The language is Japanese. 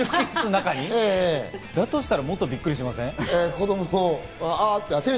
だったらもっとびっくりしません？